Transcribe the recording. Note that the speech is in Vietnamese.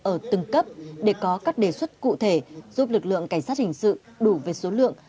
ở từng cấp để có các đề xuất cụ thể giúp lực lượng cảnh sát hình sự đủ về số lượng